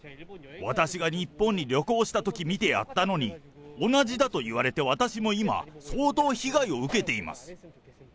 私が日本に旅行したとき見てやったのに、同じだと言われて、私も今、相当被害を受けています。